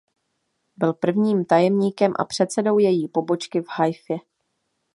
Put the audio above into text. Byl prvním tajemníkem a předsedou její pobočky v Haifě.